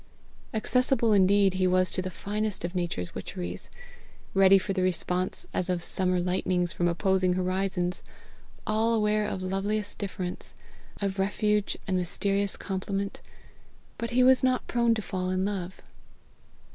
Accessible indeed he was to the finest of Nature's witcheries; ready for the response as of summer lightnings from opposing horizons; all aware of loveliest difference, of refuge and mysterious complement; but he was not prone to fall in love.